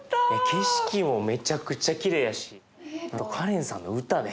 景色もめちゃくちゃきれいやしあとカレンさんの歌ね。